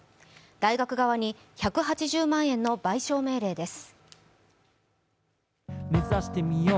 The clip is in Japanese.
大学側に１８０万円の賠償命令です。